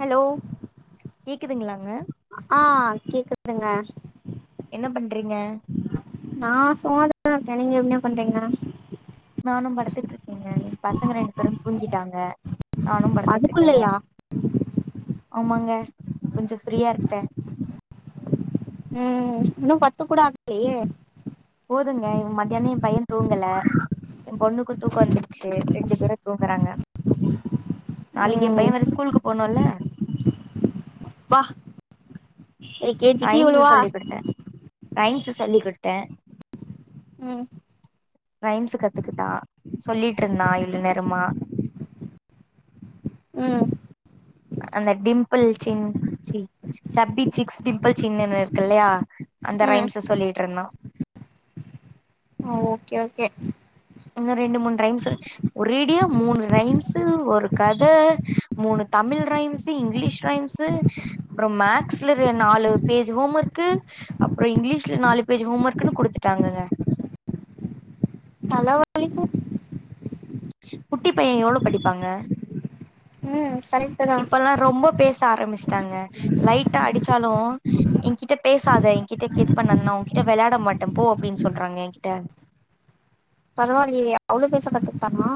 hello கேக்குதுங்களாங்க ஆ கேக்குதுங்க என்ன பண்றீங்க நா சும்மாதா இருக்கே நீங்க என்ன பண்றீங்க நானு படுத்துட்டு இருக்கேங்க எ பசங்க ரெண்டு பேரு தூங்கிட்டாங்க நானு படுத்துட்டு இருக்கேங்க அதுக்குள்ளயா ஆமாங்க கொஞ்சொ ஃப்ரீயா இருப்பே உ இன்னு பத்து கூட ஆக்லயே போதுங்க இ மத்தியானோ என் பையே தூங்கல என் பொண்ணுக்கு தூக்கோ வந்துடுச்சு ரெண்டு பேரு தூங்குறாங்க நாளிக்கு என் ம் பையன் வேர ஸ்கூலுக்கு போனுல்ல அப்பா எல் கேஜிக்கே ரைம்ஸ் இவ்ளோவா சொல்லி குடுத்தே ரைம்ஸ் சொல்லிகுடுத்த உ ரைம்ஸ் கத்துக்கிட்டா சொல்லிட்டுருந்தா இவ்ளோ நேரமா உ அந்த டிம்பிள் சின் சி சப்பிசிக்ஸ் டிம்பிள் சின்னு இருக்கு இல்ல அந்த ம் ரைம்ஸ் சொல்லிட்டு இருந்த ஓகே ஓகே இன்ன ரெண்டு மூணு ரைம்ஸ் ஒரேடியா மூணு ரைம்ஸ் ஒரு கத மூணு தமிழ் ரைம்ஸ் இங்கிலீஷ் ரைம்ஸ் அப்புறோ மேக்ஸ்ல நாலு பேஜ் ஹோம் ஒர்க் அப்றோ இங்கிலீஷ்ல நாலு பேஜ் ஹோம் ஒர்க்ன்னு குடுத்துட்டாங்கக தலவலிக் குட்டி பைய எவ்ளோ படிப்பாங்க ம் கரெக்ட்டு தா இப்பல்லா ரொம்ப பேச ஆரம்பிஷ்டாங்க லைட்ட அடிச்சாலு என்கிட்ட பேசாத என்கிட்ட இது பண்ணானன்னா நா உன்கிட்ட வெளையாட மாட்ட போ அப்டின் சொல்றாங்க என்கிட்ட பரவாயில்லயே அவ்ளோ பேசகத்துக்கிட்டானா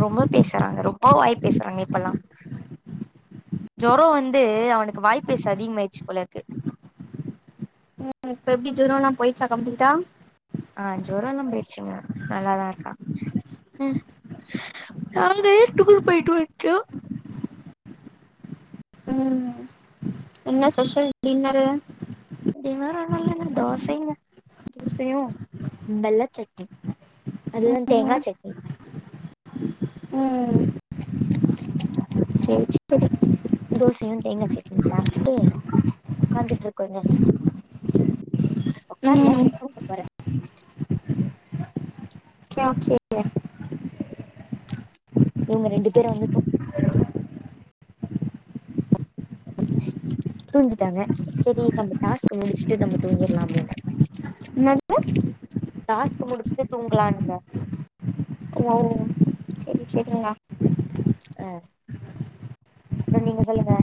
ரொம்ப பேசுறாங்க ரொம்ப வாய் பேசுறாங்க இப்பல்லா ஜொரம் வந்து அவனுக்கு வாய்பேச அதிகமாயிச்சி போல இருக்கு ம் இப்ப எப்டி ஜொரம்லா போயிருச்சா கம்ப்ளிட்டா ஆ ஜொரம்லா போயிருச்சுங்க நல்லாதா இருக்கா நாங்களே டூர் போயிட்டு வந்ன்டோ ம் என்ன ஸ்பெஷல் டின்னரு டின்னர் ஒன்னு இல்லங்க தோசங்க தோசையு வெள்ளச்சட்னி அதுதா தேங்கா ம் சட்னி ம் சரி சரி தோசையு தேங்கா சட்னியு சாப்டுட்டு ஒக்காந்துட்டு இருக்கோங்க ஒக்காரல ம் கவுந்துப்பாரு கேஃபே இவுங்க ரெண்டு பேரு வந்த இப்போ தூஞ்கிட்டாங்க சேரி நம்ம டாஸ்க்க முடிச்சிட்டு நம்ம தூங்கிர்லா அப்டின்னு என்னக டாஸ்க்க முடிச்சிட்டு தூங்கலா இன்னங்க ஓ சேரி சேரிங்கா அ அப்றோ நீங்க சொல்லுங்க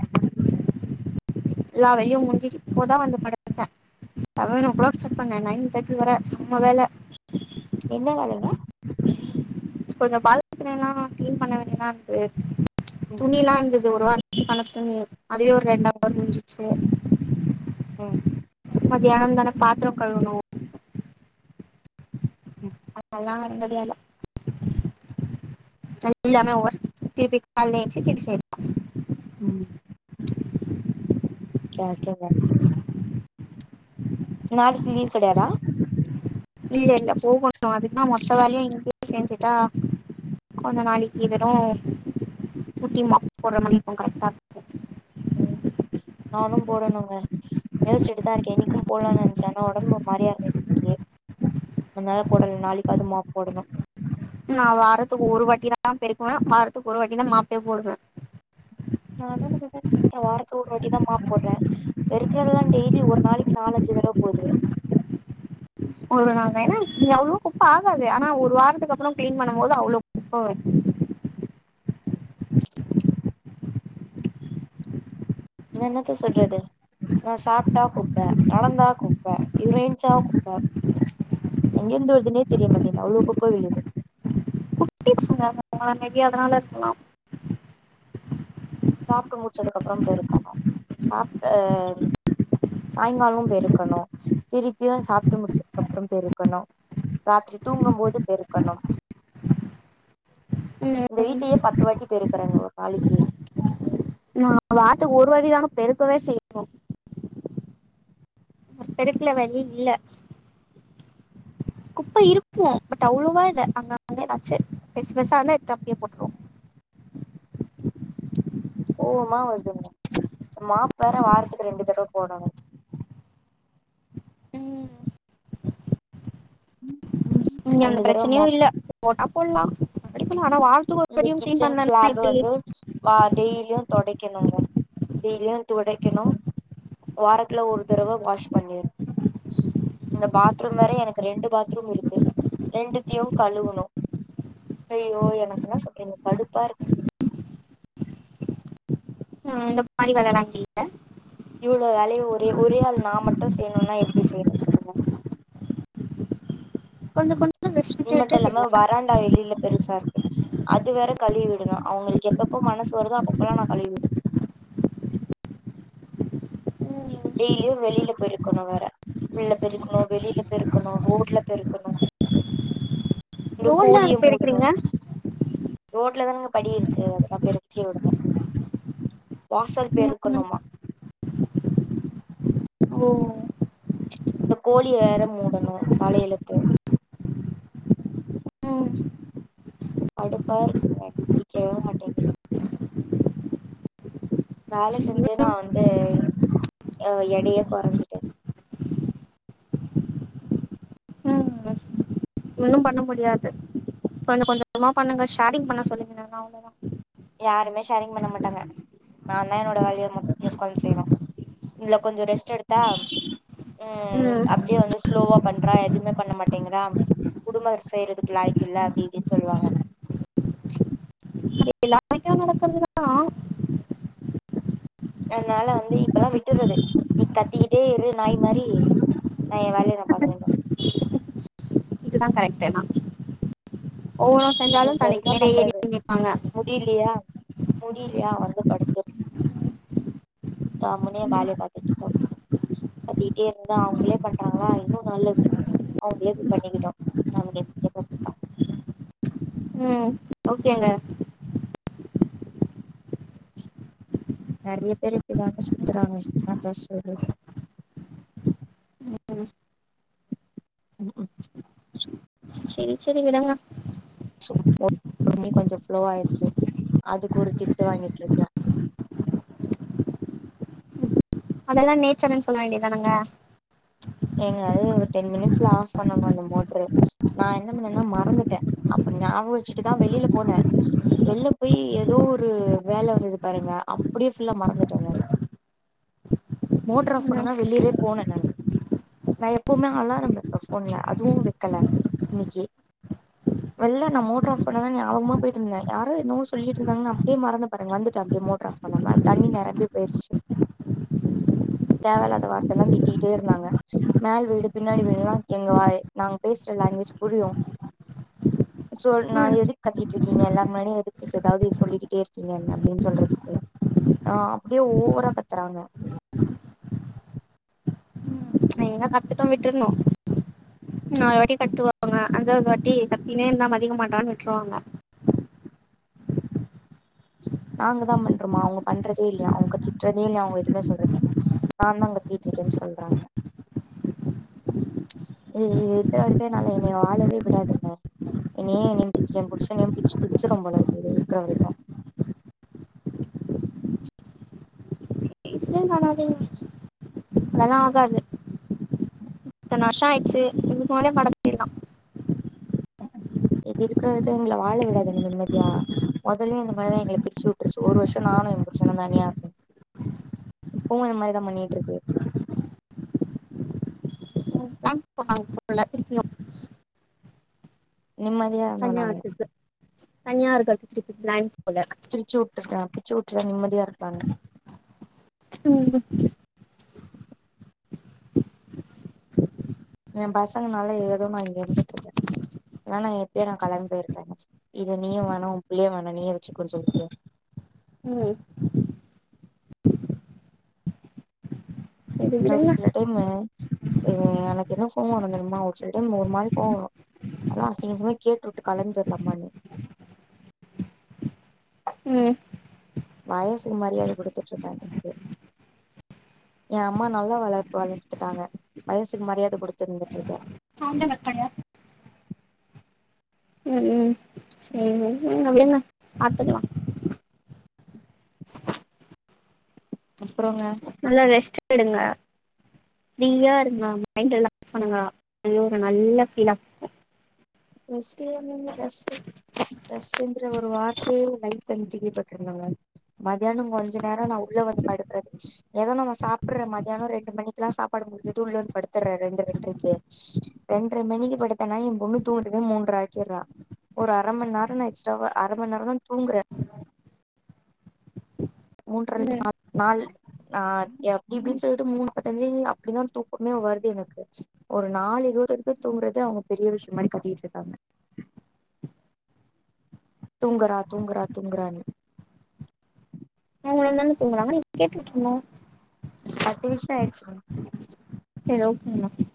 எல்லா வேலையு முஞ்சிட்டு இப்போதா வந்து படுத்த செவன் ஓ கிளாக் சுட்டங்க நைன் தேர்ட்டி வர செம்ம வேல என்ன வேலங்க கொஞ்சோ பால்கணிலா கிளீன் பண்ண வேண்டிதா ம் துணில்லா இருந்தது ஒருவார ரெண்டு நாள் துணி அதே ஒரு ம் ரெண்டாவர் முஞ்சிச்சி ம் மத்தியானந்தா நா பாத்துரோ கழுவுணு ம் அதெல்லா என்னுடைய வேல எல்லாமே ஒவர் திருப்பி கால்ல எழுஞ்சி தருப்பி செய்யனு ம் கேக்கல நாளைக்கி லீவ் கெடையாதா இல்ல இல்ல போகணு அதுக்குதா மொத்த வேலையு இன்னிக்கே செஞ்சுட்டா கொஞ்ச நாளைக்கி வெறு குட்டிமாக்கு போட்ற மாரி இருக்கு கரெக்டா அது ம் நானு போடணுங்க யோசிச்சிட்டுதா இருக்க இன்னிக்கு போட்லாம் நெனைச்சே ஆனா ஒடம்பு ஒரு மாதிரியா இருந்தது இன்னிக்கு ஆத்னால போடல நாளைக்காது மாப் போடணு நா வாரத்துக்கு ஒரு வாட்டி தாபெருக்குவே வாரத்துக்கு ஒரு வாட்டி தா மாப்பே போடுவ நானு அந்த மாரி தானே பண்ற வாரத்தக்கு ஒரு வாட்டி தா மாப் போட்ற பெருக்கறதெல்லா டெய்லி ஒரு நாளைக்கு நாலஞ்சு தடவ போது ஒரு நாள் வேணா இங்க அவ்ளோ குப்ப ஆகாதே ஆனா ஒரு வாரத்துக்கு அப்பறம் கிளீன் பண்ணும்போது அவ்ள குப்ப வரும் ம் அதா என்னத்த சொல்றது நா சாப்ட்டா குப்ப நடந்தா குப்ப ஏஞ்ச்சா குப்ப எங்கேந்து வர்துனே தெரியமாட்டேங்குது அவளோ குப்ப விழுது குட்டினு சொன்னாங்க பா அதனால இருக்கலாம் சாப்ட்டு முடிச்சதுக்கப்பறம் பெருக்கனு சாப்ட்டு சாயங்காலம் பெருக்கணு திருப்பியும் சாப்ட்டு முடிச்சதுக்கு அப்பறம் பெருக்கணு ராத்திரி தூங்கும்போது பெருக்கணு ம், இந்த வீட்டயே பத்து வாட்டி பெருக்கறேங்க ஒரு நாளைக்கு நா வார்துக்கு ஒரு வாட்டிதாங்க பெருக்கவே செய்றோம் பெருக்குற வலி இல்ல குப்ப இருக்கும் பட் அவ்ளோவா இல்ல அங்க வந்த ஏதாச்சு பெசு பெசா அப்பியே போட்டுருவோ கோவமா வருதுங்க இந்த மாப்பு வேற வாரத்துக்கு ரெண்டு தடவ போடனு ம் ம் இங்க அந்த ரெண்டு தடவ பிரச்சனையே மாப் இல்ல போட்டா போடலா அப்டி பண்ல ஆனா வாரத்துக்கு இந்த ஒரு நாள் கிளீன் கிச்சன் பண்ணலனா ஸ்லாப் எப்டி வந்து வா டெய்லியு தொடைக்கணுங்க டெய்லியு தொடைக்கணு வாரத்துல ஒரு தடவ வாஷ் பண்ணிர் இந்த பாத்ரூம் வேற எனக்கு ரெண்டு பாத்ரூம் இருக்கு ரெண்டுத்தயு கழுவுணு அயையோ எனக்கு என்ன சொல்றது கடுப்பா இருக்கு ம் இந்த மாறி வேலல்லா இல்ல இவ்ளோ வேலைய ஒரே ஒரே ஆள் நான் மட்டும் செய்யணும்னா எப்டி செய்வே சொல்லுங்க கொஞ்ச கொஞ்ச ரெஸ்ட் விட்டு எல்லாமே வாராண்டா வெளில பெருசா இருக்கு அது வேற கழுவி விடனு அவங்களுக்கு எப்பப்போ மனசு வருதோ அப்பப்பல்லா நா கழுவிடணு டெய்லியு வெளில பெருக்கணு வேற உள்ள பெருக்கணு வெளில பெருக்கணு ரோட்ல பெருக்கணு இந்த ரோட்ல கூழிய அது மூடுனு பெருக்குறீங்க ரோட்ல தாங்க படி இருக்கு அதெல்லா பெருக்கி விடணு வாசல் ம், பெருக்கணுமா ஒ இந்த கோழி வேற மூடணும் தலையெழுத்து ம் கடுப்பா இருக்குங்க புடிக்கவே மாட்டேங்குது வேல செஞ்சே சரி நா வந்து அ எடயே கொறஞ்சுட்டே ஓன்னும் பண்ண முடியாது கொஞ்ச கொஞ்சம்மா பண்ணுங்க ஷேரிங் பண்ண சொல்லீங்கா அவ்ளதா யாருமே ஷேரிங் பண்ண மாட்டாங்க நா தா என்னோட வேயை முக்கி ஒக்காந்து செய்யணு இல்ல கொஞ்ச ரெஸ்ட் எடுத்தா உம் ம் அப்டியே வந்து ஸ்லோவா பண்றா எதுமே பண்ண மாட்டேங்கறா குடும்ப செய்றதுக்கு லாயிக்கு இல்ல அப்டின்னு சொல்லுவாங்க இப்டிலா [unintelligible] கல்லா என்னால வந்து இப்பல்லா விட்டுறது நீ கத்திக்கிட்டே இரு நாய் மாரி நா ஏ வேலைய நா பாக்குறேங்க இதுதா கரெக்டே ஆனா ஓவரா செஞ்சாலு தலைக்கு மேல ஏறிட்டு நிப்பாக இல்லயா முடிலயா வந்து படுத்துரனும் கம்னு ஏன் வேலைய பாத்துட்டு இருக்கனு கத்திகிட்டே இருந்த அவுங்ளே பண்றங்களா இன்னு நல்லது அவங்களே போய் பண்ணிக்கிட்டோ நமக்கு எனத்துக்க ம் ஓகேங்க நறைய பேரு இப்டிதாக சுத்துறாங்க என்னத்த சொல்றது உ உ சேரி சேரி விடுங்க செ மோட்டார் தண்ணி கொஞ்சோ ஃப்ளோ ஆயிருச்சு அதுக்கு ஒரு திட்டு வாங்கிட்டு இருக்க அதெல்லா நேச்சர்ன்னு சொல்ல வேண்டியதானங்க எங்க அது ஒரு டென் மினிட்ஸ்ல ஆஃப் பண்ணங்க அந்த மோட்ரு நா என்ன பண்ணன மறந்துட்ட அப்டி ஞாபகம் வச்சுட்டுதா வெளில போன வெள்ல போய் ஏதோ ஒரு வேல வந்தது பாருங்க அப்டியே ஃபுல்லா மறந்துட்டங்க மோட்டார் ஆஃப் ம் பண்ணதா வெளியவே போனே நானு நா எப்பவுமே அலாரம் வப்ப போன்ல அதுவு வக்கல இன்னைக்கி வெள்ள நா மோட்டார் ஆஃப் பண்ண தா ஞாபகமா போய்ட்டு இருந்த யாரோ என்னவோ சொல்லிட்டு இருந்தாக அப்டியே மறந்த பாருங்க வந்துட்டா அப்டியே மோட்டார் ஆஃப் பண்ணாம அந்த மாரி தண்ணி நிரம்பி போயிருச்சு தேவயில்லாத வார்த்தைல்லா திட்டிட்டே இருந்தாங்க மேல் வீடு பின்னாடி வீடுல எங்க நாங்க பேசுற லாங்குவேஜ் புரியு [inaudible] சோ நீங்க ம் எதுக்கு கத்திட்டு இருக்கீங்க எல்லாரு முன்னாடியு எதுக்கு ஏதாவது சொல்லிகிட்டே இருக்கீங்க என்ன அப்டின் சொல்றதுக்கு ஆ அப்டியே ஓவரா கத்துறாங்க நீ தா கத்துட்டு விட்டுர்னு இன்னொரு வாட்டி கத்துவாங்க அஞ்சாவது வாட்டி கத்தினே இருந்தா மதிக்க மாட்டான்னு விட்டுருவாங்க நாங்க தா பண்றோமா அவுங்க பண்றதே இல்லையா அவுங்க திட்றதே இல்லையா அவுங்க எதுமே சொல்றது இல்லையா நா தா கத்திட்டு இருக்கேன்னு சொல்றாங்க ஏ இ இருக்க இருக்க என்ன வாழவே விடாதுங்க என்னைய என் பிடி புருசனையு பிச்சு பிடிச்சிரு போல இருக்கு இது இருக்குற வரைக்கு நீ என்ன அனாதையா அதலா ஆகாது இத்தன வருஷ ஆயிடுச்சு இதுக்கு மேலயு நடக் இது இருக்கிற வரையு எங்கள வாழ விடாதுங்க நிம்மதியா மொதல்லையு இந்த மாரி தா எங்கள பிரிச்சு விட்ருச்சு ஒரு வருஷம் நானு என் புருஷனு தனியா இரு இப்பவு இந்த மாரிதா பண்ணிட்டு இருக்கு [inaudible] நிம்ம தனியா [unintelligible] தனியா இருக்கறதுக்கு ப்ளான் போல பிரிச்சு வுட்டுற பிரிச்சு விட்டுற நிம்மதியா இருக்கான்னு ம் என் பசங்கனால ஏதோ நா இங்க இருந்துட்டு இருக்க இல்லனா எப்பயோ நா கெளம்பி போயிருப்ப இது நீ வேணா உ புள்ளையு வேண நீயே வச்சிக்கோன்னு சொல்ட்டு ம் சரி ஒரு விடுங்க சில டைமு எனக்கு என்ன கோவ வரு தெரியுமா ஒரு சில டைம் ஒரு மாதிரி கோவம் வரு நல்லா அசிங்க அசிங்கமா கேட்டுவிட்டு கெளம்பிடலாமானு ம் வயசுக்கு மரியாத குடுத்துட்டு இருக்க இதுக்கு என் அம்மா நல்லா வளர்ப்பு வளர்த்துட்டாங்க வயசுக்கு மரியாதை குடுத்து இருந்துட்டு இருக்க சவுண்டே வெக்கல ம் ம் செரி விடுங்க விடுங்க பாத்துக்கலா அப்புறோங்க நல்லா ரெஸ்ட் எடுங்க ஃப்ரீயாக இருங்க மைண்ட ரிலாக்ஸ் பண்ணுங்க அயொரு நல்ல பீலா குக்கு ரெஸ்ட்டு என்னங்க ரெஸ்ட்டு ரெஸ்ட்டுங்குற ஒரு வார்த்தையே ஏ லைஃப் [unintelligible] டி வி பாட்ருந்தாங்க மதியானோ கொஞ்ச நேரோ நா உள்ள வந்து படுக்றது ஏதோ நம்ம சாப்ட்ற மதியானோ ரெண்டு மணிக்லா சாப்பாடு முடிஞ்சது உள்ள வந்து படுத்துட்ற ரெண்டு ரெண்ட்ரைக்கு ரெண்ட்ர மணிக்கு படுத்தனா எம்பொண்ணு தூங்கத்துக்கு மூன்ற ஆக்கிர்றா ஒரு அர மண் நேரொ நா எக்ஸ்ட்ராவா அரமண் நேரொந்தா தூங்குறே மூன்றன் ம் ந நாள் நா யப்டி இப்டின் சொல்ட்டு மூண் முப்பத்தஞ்சு அப்டிதா தூக்கமே வருது எனக்கு ஒரு நாலு இருவதுக்கு தூங்றது அவங்க பெரிய விஷயொ மாரி கத்திகிட்ருக்காங்க துங்கறா துங்குறா துங்குறானு அவங்களுந்தான தூங்குறாங்க நீங்க கேட்ருக்கிங்ளா பத்து விஷயொ ஆயிருச்சி செரி ஓகேங்கனா